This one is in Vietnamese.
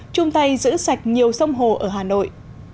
chung tay giữ sạch nhiều sông hồ ở hà nội